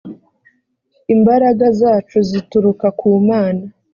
imbaraga zacu zituruka kumana.